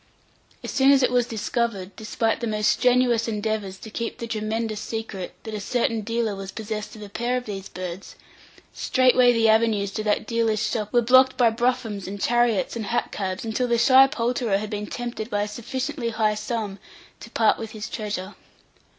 As soon as it was discovered, despite the most strenuous endeavours to keep the tremendous secret, that a certain dealer was possessed of a pair of these birds, straightway the avenues to that dealer's shop were blocked by broughams, and chariots, and hack cabs, until the shy poulterer had been tempted by a sufficiently high sum to part with his treasure.